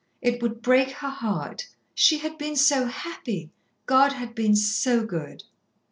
It would break her heart. She had been so happy. God had been so good.